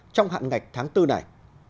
trong hạn ngạch tháng bốn này